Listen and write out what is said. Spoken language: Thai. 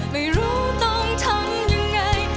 ไม่รู้ต้องทำยังไง